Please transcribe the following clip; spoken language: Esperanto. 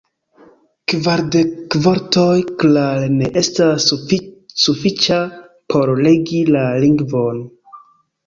Kvardek vortoj klare ne estas sufiĉa por regi la lingvon.